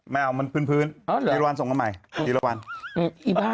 ไม่เอามันเพื้นส่งมาใหม่